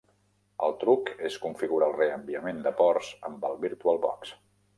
El truc és configurar el reenviament de ports amb el Virtual Box.